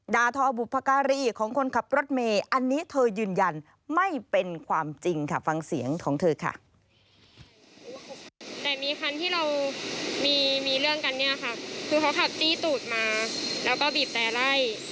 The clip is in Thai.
อบุพการีของคนขับรถเมย์อันนี้เธอยืนยันไม่เป็นความจริงค่ะฟังเสียงของเธอค่ะ